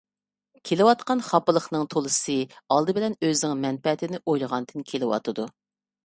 كېلىۋاتقان خاپىلىقنىڭ تولىسى ئالدى بىلەن ئۆزىنىڭ مەنپەئەتىنى ئويلىغاندىن كېلىۋاتىدۇ.